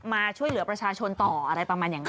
มาช่วยเหลือประชาชนต่ออะไรประมาณอย่างนั้น